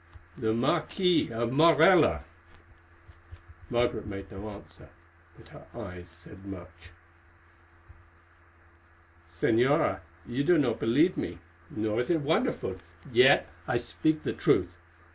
"The Marquis of Morella." Margaret made no answer, but her eyes said much. "Señora, you do not believe me, nor is it wonderful. Yet I speak the truth.